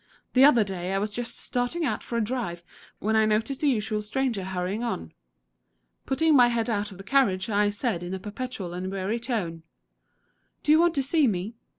The other day I was just starting out for a drive when I noticed the usual stranger hurrying on. Putting my head out of the carriage, I said in a petulant and weary tone, 'Do you want to see me?'